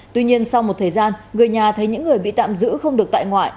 tuy nhiên sau một thời gian người nhà thấy những người bị tạm giữ không được tại ngoại